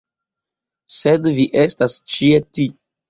Sed Vi estras ĉi tie.